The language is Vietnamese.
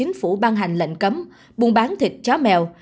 công chúng phủ ban hành lệnh cấm buôn bán thịt chó mèo